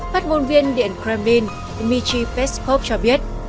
phát ngôn viên điện kremlin dmitry peskov cho biết